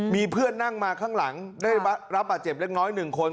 มีเพื่อนนั่งมาข้างหลังได้รับบาดเจ็บเล็กน้อย๑คน